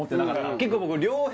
結構僕あ